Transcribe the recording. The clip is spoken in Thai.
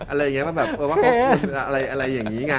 อะไรอย่างนี้มันแบบว่าเขาอะไรอย่างนี้ไง